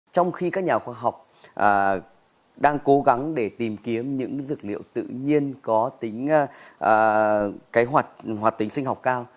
trong khi các nhà khoa học đang cố gắng để tìm kiếm những dược liệu tự nhiên có tính kế hoạch hoạt tính sinh học cao